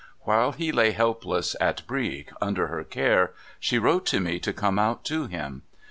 While he lay helpless at Brieg, under her care, she wrote to me to come out to him.